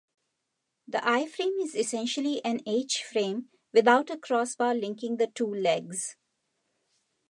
The I-frame is essentially an H-frame without a crossbar linking the two legs.